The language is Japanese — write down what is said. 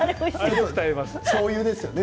しょうゆですよね。